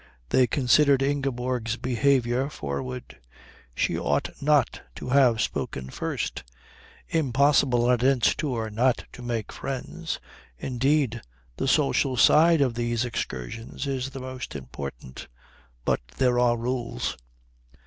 They considered Ingeborg's behaviour forward. She ought not to have spoken first. Impossible on a Dent's Tour not to make friends indeed the social side of these excursions is the most important but there are rules.